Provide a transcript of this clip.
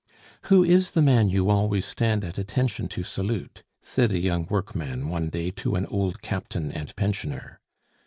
"Who is the man you always stand at attention to salute?" said a young workman one day to an old captain and pensioner.